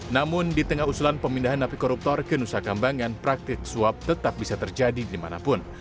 namun di tengah usulan pemindahan napi koruptor ke nusa kambangan praktik suap tetap bisa terjadi dimanapun